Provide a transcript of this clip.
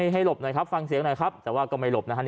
หลบหน่อยครับฟังเสียงหน่อยครับแต่ว่าก็ไม่หลบนะฮะ